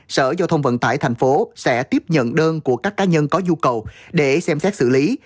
sở giao thông vận tải tp hcm sẽ tiếp nhận đơn của các cá nhân có dụ cầu để xem xét xử lý